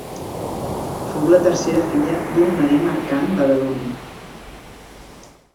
Fou la tercera filla d'un marí mercant badaloní.